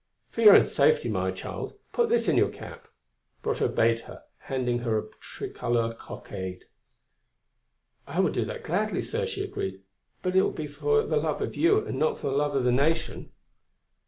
"For your own safety, my child, put this in your cap!" Brotteaux bade her, handing her a tricolour cockade. "I will do that gladly, sir," she agreed, "but it will be for the love of you and not for love of the Nation."